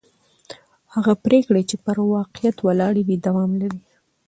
هغه پرېکړې چې پر واقعیت ولاړې وي دوام لري